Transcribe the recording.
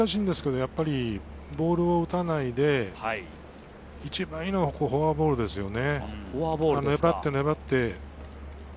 一番難しいんですけど、やっぱりボールを打たないで、１番いいのはフォアボールですよね。